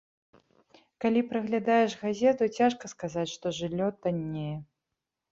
Калі праглядаеш газету, цяжка сказаць, што жыллё таннее.